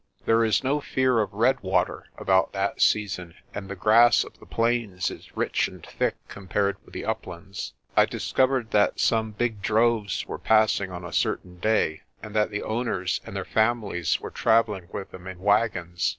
There is no fear of redwater about that season, and the grass of the plains is rich and thick com pared with the uplands. I discovered that some big droves were passing on a certain day, and that the owners and their families were travelling with them in wagons.